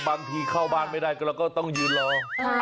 บางทีเข้าบ้านไม่ได้ก็เราก็ต้องยืนรอ